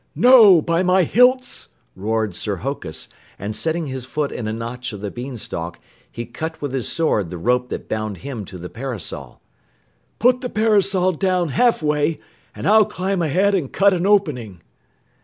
"No, by my hilts!" roared Sir Hokus, and setting his foot in a notch of the beanstalk, he cut with his sword the rope that bound him to the parasol. "Put the parasol down half way, and I'll climb ahead and cut an opening."